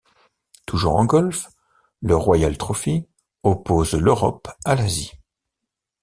Toujours en golf, le Royal Trophy oppose l'Europe à l'Asie.